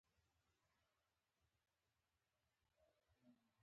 غزني د افغانستان د بشري او لرغوني فرهنګ یوه برخه ده.